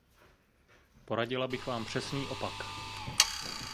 Poradila bych vám přesný opak.